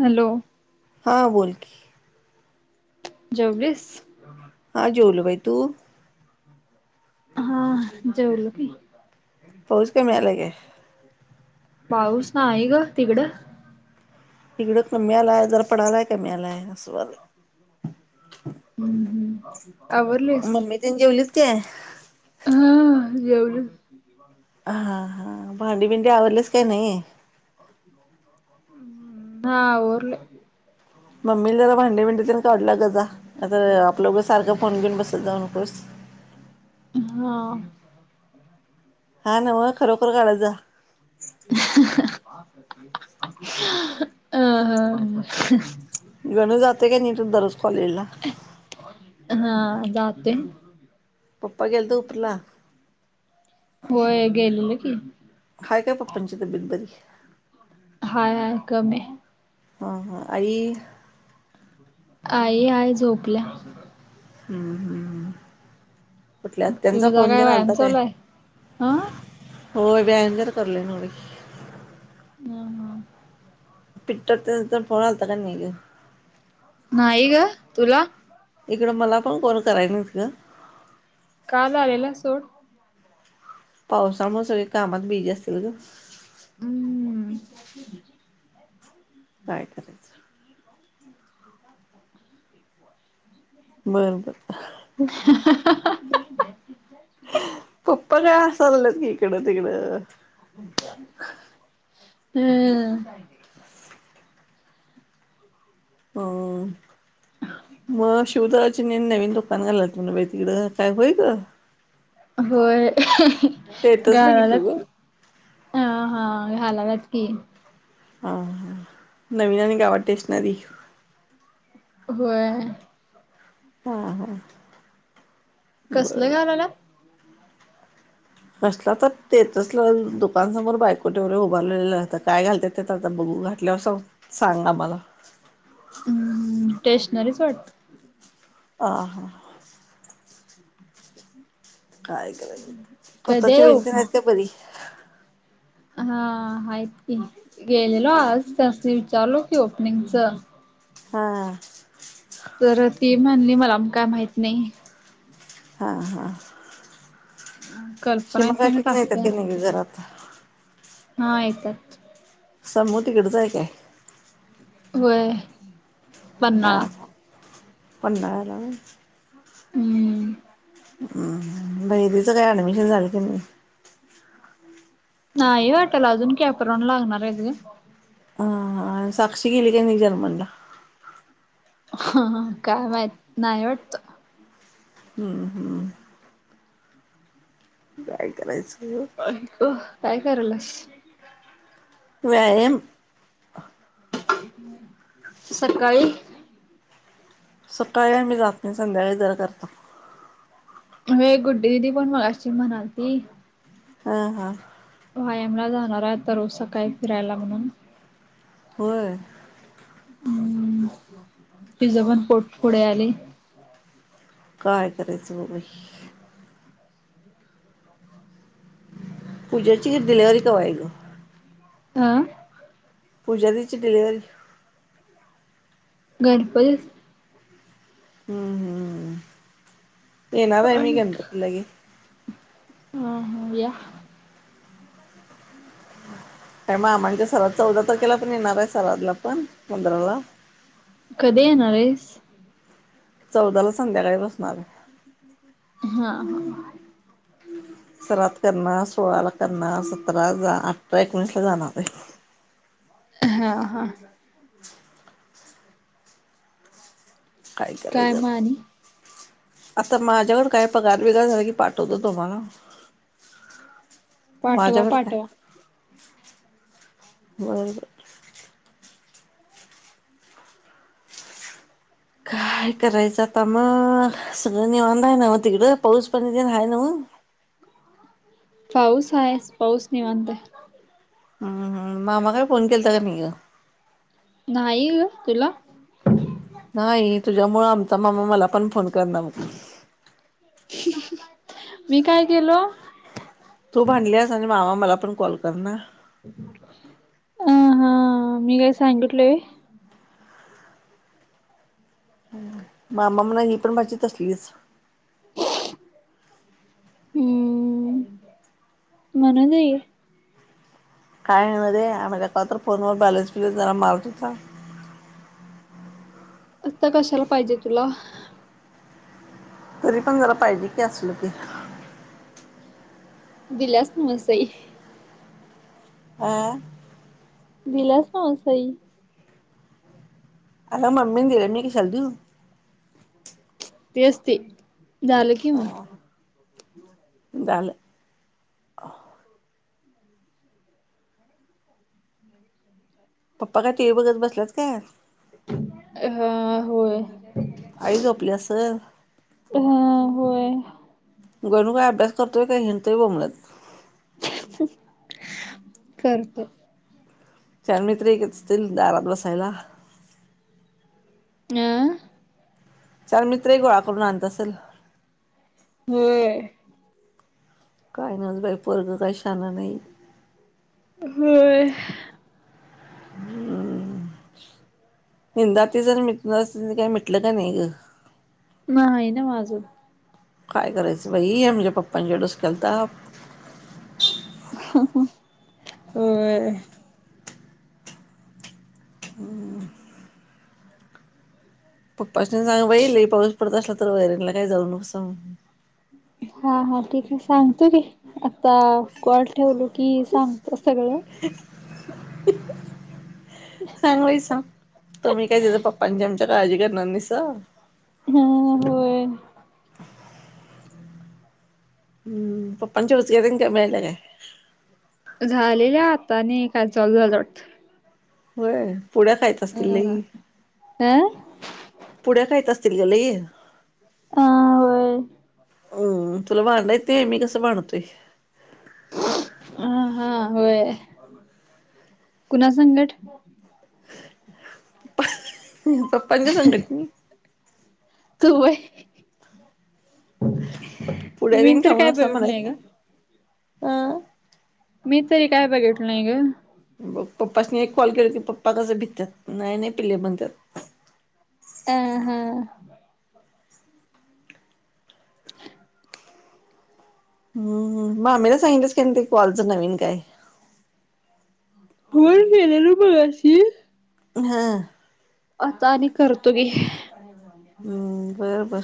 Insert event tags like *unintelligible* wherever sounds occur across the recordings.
Hello. हा बोलकी. जेवलीस. हा जेवलो बाई तू. हा जेवलो की. पाऊस कमी आलाय काय. पाऊस नाही ग तिकडं. इकड कमी आलाय जरा पडायलाय कमी आलाय. असं व्हायलय हम्म हम्म आवरलीस. तेनी जेवलीस काय. हा जेवलीत. हा हा भांडी भिंडी आवरलीस काय नाही. हा आवरलोय. मम्मीला जरा भांडी भिंडी काढू लागत जा नाही तर आपलं उगाच सारखं फोन घेऊन बसत जाऊ बसू नकोस. हा, हां नव खरोखर काढत जा. अहह हहह. गणू जातोय काय नाही दररोज कॉलेज ला. हा जातोय. पप्पा गेलत हुपरीला. होय गेलेलं की. हाय काय पप्पांची तब्येत बरी. हाय हाय कमी आहे. हा हा आई. आई हाय झोपल्या. हम् हम्. कुठल्या आत्यांचा तुझा फोन तेन व्यायाम आलता काय. चालू आहे हा होय व्यायाम जरा करालोय नॉर्वे वॅक्स. हम्. पिठू आत्यांचा फोन येन आलता काय नाही ग. नाही ग तुला. इकडं मला पण कॉल कराय ग. काल आलेला सोड. पावसामुळ सगळी कामात बिजी असतील ग. हम्. काय करयचं? बर बर. *inaudible* पप्प काय आसाय लागल्यात की इकडं तिकडं. हम्म. हम् म - शिवदल नवीन दुकान घालाय लागल्यात म्हणे बाई तिकडं काय होई ग? होय स्टेटस बघितलो घालायल्यात ग की. हा हा घालायल्यात की. हा हा नवीन आणि गावाड टेशनरी. होय. हम् हम्. कसलं घालायल्यात? कसला तर तेच दुकानसमोर बायको तेवढी उभारलेलं असत काय घालत तर आता बघू घातल्या वर सांगा मला. हम् स्टेशनरीच वाटत? आ हा. काय काय कधी खोताची आहे वईनी ते आहेत का ओपनिंग बरी? हा हायत की गेलेलो हा आज त्यासनी विचारलो की ओपनिंगच. हा. तर ती म्हणाली मला पण काय माहित नाय. हा हा. कल्पना शिमा काका संगट तर येतात असत्या की नाय येत ग घरात? हा येत्यात. सभू तिकडचंय हाय काय? होय. हा पन्हाळा ह पन्हाळ्याला होय? हम्म. हम् बहिणीच काय ऍडमिशन झालं का नाय? नाही वाटल अजून कॅप्रोन लागणार आहेत ग. ह साक्षी गेली का नाय जर्मनला? काय माहित नाही वाटत. हम् हम्. काय करायचं. आई ग, काय करायलीयास? व्यायाम. सकाळी सकाळी आम्ही जात नाय संध्याकाळी जर करतो. होय गुड्डी दिदी पण मगाशी म्हणालती. हा हा. व्यायामला जाणार हाय आता रोज सकाळी फिरायला म्हणून. होय. हम्म -तिझ पण पोट पुढे आलय. काय करायचं ब बाई. पूजेची डिलेव्हरी कय ग हम पूजा दिची िलीवररी गणपती हम्म ऐनार आहे गणपती ला ये ह्म्म या आणि मग आमांच्या सराद चौदा तारखेला पण येणार आहे सरादला पण पंधराला कधी येणार आहेस चौदा ला संध्याकाळी बसणार आहे हा ह सराात करणार सोळाला करणार सतरा जा अठरा एकोणीसला जाणार आहे हा हा ह ओ ह काय गडे गत आता माझ्याकड काय पगार बिगार झाला की पाठवत तुम्हाला बि माझ्याकडता बरो काय करायचं आता मग सगळंनी निवांत ना म तिकडं पाऊस पाणी ते नी हाय नव्ह पाऊस आहे पाऊस नाही मानताय हम् हम मामा काय फोन केला त काय नाही नाही ग तुला नाही तुझ्यामुळे आमचा मामा मला पण फोन करणार मग मी काय केलो तू भांडलीस आणि मामा मला पण कॉल कर ना अ हा मी काय सांगितलय मामा म्हणा ही पण भाची पन असलीच हम्म म्हण जाईे काय आहे ना रे आम्हाला त्या का तर फोनवर बॅलन्स बिलस जरा मारतो आता कशाला पाहिजे तुला तरी पण जरा पाहिजे की असलं की दिलास सई अं दिलास ना सही अ ममीी दिले मी कशाला देऊ ते असते झालं कि म डालं *inaudible* पप्पा काय टी व्ही बघत बसल्यात काय हा होय आई झोपली असल हा होय. गणू काय अभ्यास करतोय का हिडतोय बोबंलत करतो चार मित्र एकच असतील दारात बसायला अ चार मित्रही गोळा करून आणत असल होय काय नव्हच बाई पोरग काय शान नाही होय *inaudible* निंदा आत्तीच जर मिट काही म्हटलं का नाही ग नाही नव्ह अजून काय करायचं बाई आमच्या पप्पांच्या डोस्क्याला ताप ह, ह होय हम् पप्पासनी सांग बाई लई पाऊस पडत असला तर वैरणला काय जाऊ नकोसा म्हणून हा, हा ठीक आहे सांगतो की आता कॉल ठेवल की सांगतो सगळं ह *unintelligible* सांग बाई सांग तुम्ही काय तिच्या पप्पांची आमच्या काळजी करणार नाहीसा हम् होय हम् पप्पाच्या उचक्या तेन कमी आल्या काय झालेल्या आता नि काल चालू झाल वाटत होय पुड्या खायत असतील लई अ पुड्या खायत असतील ग लई आ होय हम् तुला भांडण येतंय नाई मी कसं भांडतोय हा, हा होय कुणा संगट पपांच्या संगट तू व्हय पुड्या मी तेन तर काय बघितलो नाही ग हां मी तरी काही बघितलो नाही ग बघ पप्पाशी एक कॉल केला की पप्पा कसं भित्यात नाही, नाही पिल्ले म्हणत्यात अ ह हम्म, हम्म मामीला सांगितलस का ते कॉलचं नवीन काय *unintelligible* फोन केलेलो मघाशी ह आता आणि करतो गे हम्म बरं, बरं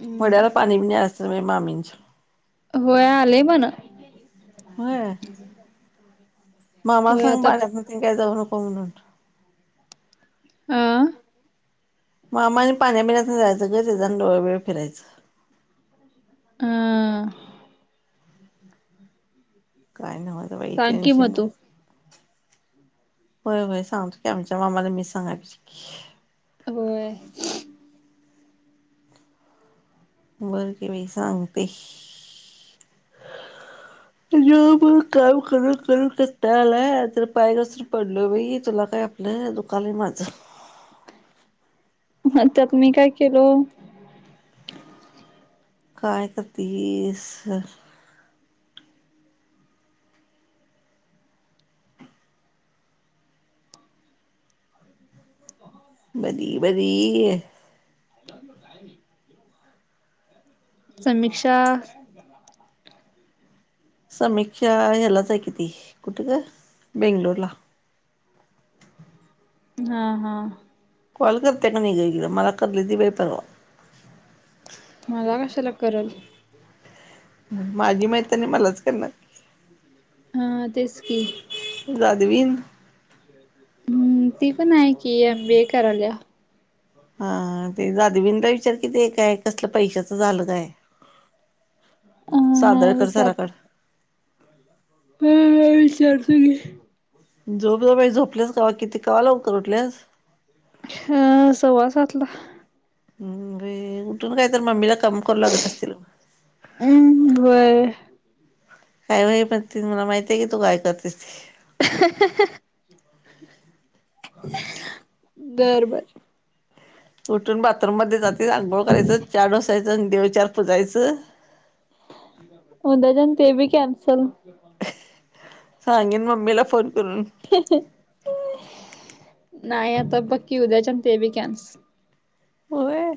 हम् ओढ्याला पाणी बिनी असत व्हय मामींच्या होय आलय म्हण होय मामाला होय सांग आता पाण्यातन तेन काय जाऊ नको म्हणून ह मामान आणी पाण्याबीण्यातन जायचं ग त्याज आणि डोळ, बिळे फिरायचं अ काही नाही माझं बाई सांग की मग तू. टेन्शनच होय, होय सांगतो की आमच्या मामाला मी सांगाय पाहिजे की होय. बरं की मी सांगते. *inaudible* जेव्हा बघू काम करू करून कंटाळा आलाय आता पाय घसरून पडलोय बाई तुला काय आपलं दुखाल माझं. मग त्यात मी काय केलो. काय करतीस? बरी बरी. *unintelligible* समीक्षा समीक्षा ह्यालाच आहे किती कुठे ग बेंगलोर ला. हा हा. कॉल करते का नहीं ग मला करले ती बाई परवा मलाा कशाला कराल? माझी मैत्रीण हाय मलाच करणार. हा तेच की जादवीन. हम्म ती पण आहे कि एम बी ए करायल्या. हा ते जाधवीण ला विचार किती काय कसलं पैशाच झालं काय? हा सादळकर सरा कड हम्म विचारतो घे. झोप जा बाई झोपल्यास कवा किती कवा लवकर उठल्यास ह सव्वा सातला. तू पण काय तर मम्मीला काम करू लागत असशील. व्हय. काय बाई *unintelligible* मला माहितीय की तू काय करतीस? बरबर. उठून बाथरूम मध्ये जातील अंघोळ करायचं च्या ढोसायचं देवचार पुजायचं. उद्याच्यान ते बी कॅन्सल सांगीन मम्मीला फोन करून. नाही आता बकी उद्याच्या ते बी कॅन्स होय.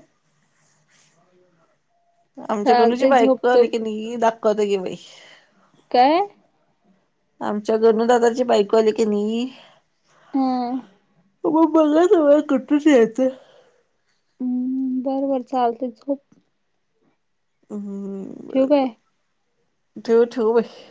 आमच्या गणू ची चालतय झोप बायको तू आली कणी दाखवत गे बाई काय? आमच्या गणू दादाची बायको आली कणी हम्म. *unintelligible* बरबर चालतय झोप. *unintelligible* ठेऊ काय? ठेव ठेव बाई